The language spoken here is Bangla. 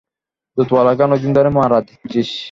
দুধওয়ালাকে অনেকদিন ধরে মারা দিচ্ছিস।